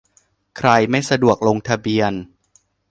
ใครไม่สะดวกลงทะเบียน